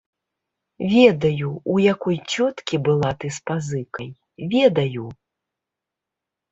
Ведаю, у якой цёткі была ты з пазыкай, ведаю!